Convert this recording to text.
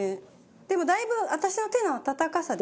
でもだいぶ私の手の温かさで。